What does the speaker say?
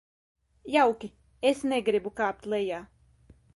Jauki, es negribu kāpt lejā.